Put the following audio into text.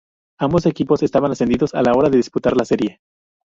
Ambos equipos estaban ascendidos a la hora de disputar la serie.